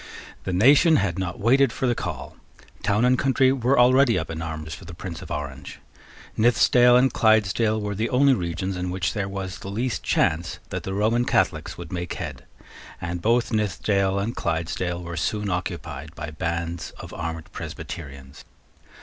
The nation had not waited for the call. Town and country were already up in arms for the Prince of Orange. Nithisdale and Clydesdale were the only regions in which there was the least chance that the Roman Catholics would make head; and both Nithisdale and Clydesdale were soon occupied by bands of armed Presbyterians.